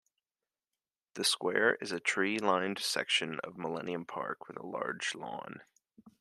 The square is a tree-lined section of Millennium Park with a large lawn.